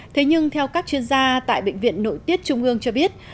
thế nhưng theo các chuyên gia tại bệnh viện nội tiết trung ương cho biết